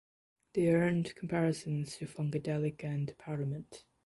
They earned comparisons to Funkadelic and Parliament.